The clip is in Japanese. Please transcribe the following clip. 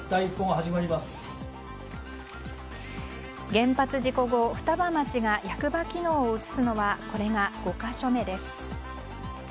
原発事故後、双葉町が役場機能を移すのはこれが５か所目です。